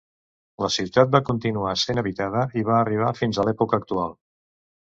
La ciutat va continuar sent habitada i va arribar fins a l'època actual.